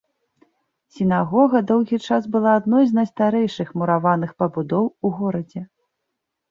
Сінагога доўгі час была адной з найстарэйшых мураваных пабудоў у горадзе.